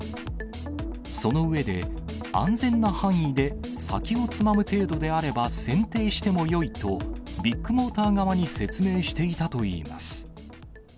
その上で、安全な範囲で先をつまむ程度であればせんていしてもよいと、ビッグモーター側に説明していたといいます。